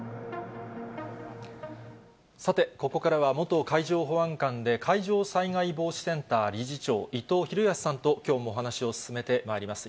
さて、ここからは元海上保安監で、海上災害防止センター理事長、伊藤裕康さんときょうもお話を進めてまいります。